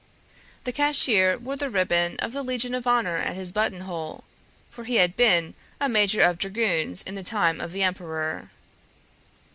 The cashier wore the ribbon of the Legion of Honor at his buttonhole, for he had been a major of dragoons in the time of the Emperor.